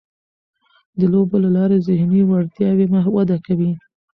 د لوبو له لارې ذهني وړتیاوې وده کوي.